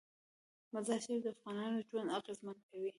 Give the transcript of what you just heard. مزارشریف د افغانانو ژوند اغېزمن کوي.